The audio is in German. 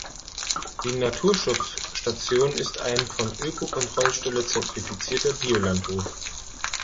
Die Naturschutzstation ist ein von Öko-Kontrollstelle-zertifizierter Bioland-Hof.